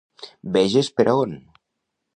Veges per a on!